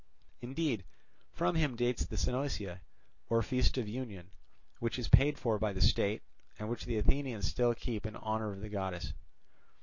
Indeed, from him dates the Synoecia, or Feast of Union; which is paid for by the state, and which the Athenians still keep in honour of the goddess.